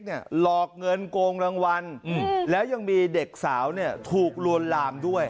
หลอกเงินโกงรางวัลแล้วยังมีเด็กสาวถูกลวนลามด้วย